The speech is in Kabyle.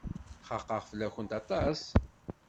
Xaqeɣ fell-akent aṭas.